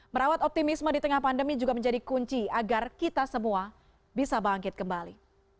merawat optimisme di tengah pandemi juga menjadi kunci agar kita semua bisa bangkit kembali